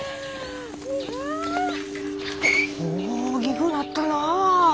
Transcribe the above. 大きぐなったなぁ。